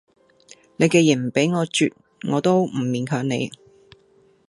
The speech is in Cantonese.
你既然唔畀我啜，我都唔勉強你